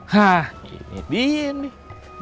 hah ini dingin nih